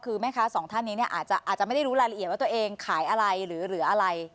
คือสองท่านนี้อาจจะไม่ได้รู้รายละเอียดว่าตัวเองขายอะไรหรือเหลืออะไร